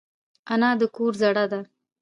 انا د کور زړه ده